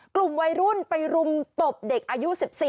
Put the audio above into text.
กลุ่มวัยรุ่นไปรุมตบเด็กอายุ๑๔